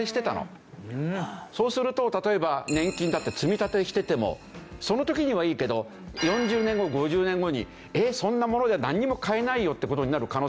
そうすると例えば年金だって積み立てしててもその時にはいいけど４０年後５０年後にえっそんなものじゃなんにも買えないよって事になる